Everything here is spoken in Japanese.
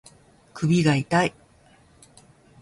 首が痛い